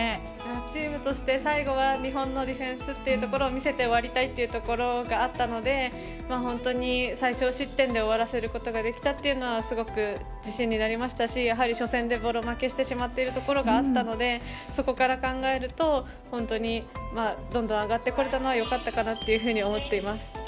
チームとして最後は日本のディフェンスを見せて終わりたいというところがあったので、本当に最少失点で終わらせることができたのは自信になりましたしやはり初戦でボロ負けしているところがあったのでそこから考えると、本当にどんどん上がってこれたのはよかったかなと思ってます。